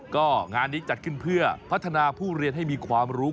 ก็งานนี้จัดขึ้นเพื่อพัฒนาผู้เรียนให้มีความรู้